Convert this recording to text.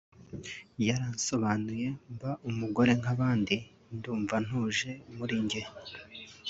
yaransobanuye mba umugore nk’abandi ndumva ntuje muri njye”